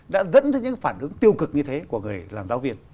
đã dẫn tới những phản ứng tiêu cực như thế của người làm giáo viên